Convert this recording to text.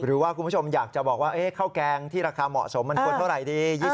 คุณผู้ชมอยากจะบอกว่าข้าวแกงที่ราคาเหมาะสมมันควรเท่าไหร่ดี